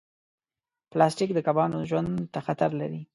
پلاستيک د کبانو ژوند ته خطر لري.